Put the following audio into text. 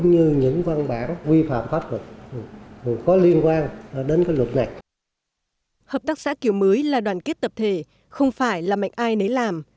hợp tác xã kiểu mới là đoàn kết tập thể không phải là mạnh ai nấy làm